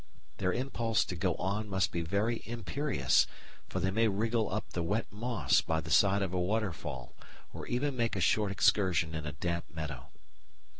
Their impulse to go on must be very imperious, for they may wriggle up the wet moss by the side of a waterfall or even make a short excursion in a damp meadow.